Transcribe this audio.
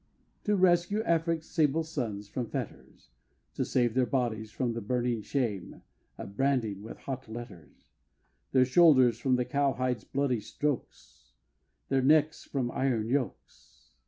To rescue Afric's sable sons from fetters To save their bodies from the burning shame Of branding with hot letters Their shoulders from the cowhide's bloody strokes, Their necks from iron yokes?